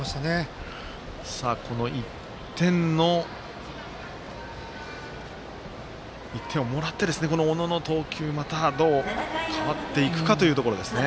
この１点をもらって小野の投球またどう変わっていくかというところですね。